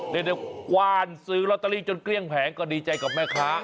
เรียกได้กว้านซื้อลอตเตอรี่จนเกลี้ยงแผงก็ดีใจกับแม่ค้า